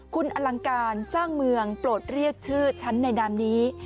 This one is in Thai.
คุณอลังการสร้างเมืองโปรดเรียกชื่อฉันในนามนี้